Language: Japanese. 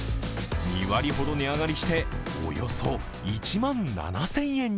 ２割ほど値上がりして、およそ１万７０００円に。